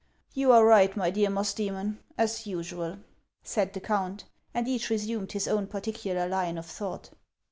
" You are right, my dear Musdcemon, as usual," said the count ; and each resumed his own particular line of thought.